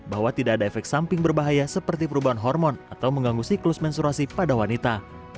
bahwa tidak ada efek samping berbahaya seperti perubahan hormon atau mengganggu siklus mensurasi pada wanita